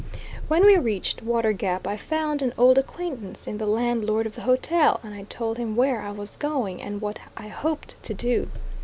When we reached Water Gap I found an old acquaintance in the landlord of the hotel, and I told him where I was going, and what I hoped to do.